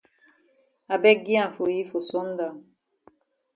I beg gi am for yi for sun down.